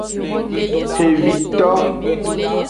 Xevido.